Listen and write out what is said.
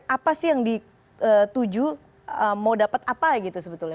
apa sih yang dituju mau dapat apa gitu sebetulnya